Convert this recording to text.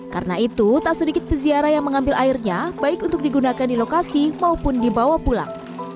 karena itu tak sedikit peziarah yang mengambil airnya baik untuk digunakan di lokasi maupun dibawa pulang